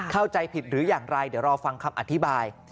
เข้าใจผิดหรืออย่างไรเดี๋ยวรอฟังคำอธิบาย